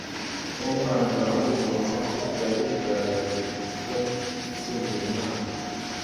Nk'Umwana w'umuntu, Kristo yari kugaragaza gukora yumvira Imana.